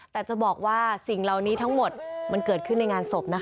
แต่จะบอกว่าสิ่งเหล่านี้ทั้งหมดมันเกิดขึ้นในงานศพนะคะ